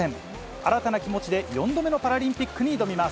新たな気持ちで４度目のパラリンピックに挑みます。